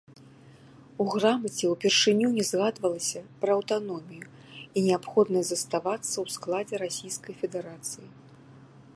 У грамаце ўпершыню не згадвалася пра аўтаномію і неабходнасць заставацца ў складзе расійскай федэрацыі.